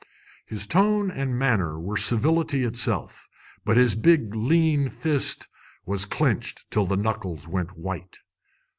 His tone and manner were civility itself, but his big lean fist was clenched till the knuckles went white.